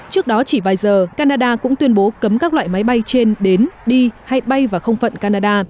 trước đó chỉ vài giờ canada cũng tuyên bố cấm các loại máy bay trên đến đi hay bay vào không phận canada